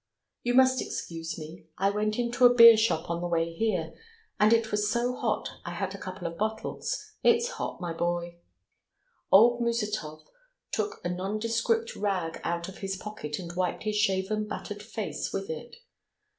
... You must excuse me. I went into a beer shop on the way here, and as it was so hot had a couple of bottles. It's hot, my boy." Old Musatov took a nondescript rag out of his pocket and wiped his shaven, battered face with it.